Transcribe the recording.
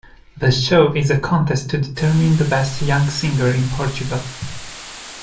The show is a contest to determine the best young singer in Portugal.